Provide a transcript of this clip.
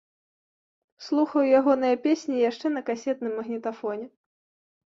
Слухаў ягоныя песні яшчэ на касетным магнітафоне.